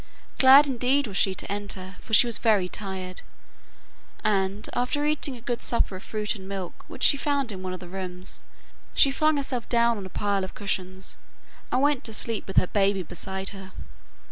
Glad indeed was she to enter, for she was very tired, and, after eating a good supper of fruit and milk which she found in one of the rooms, she flung herself down on a pile of cushions and went to sleep with her baby beside her.